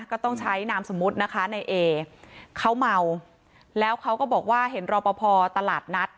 ก็ต้องใช้นามสมมุตินะคะในเอเขาเมาแล้วเขาก็บอกว่าเห็นรอปภตลาดนัด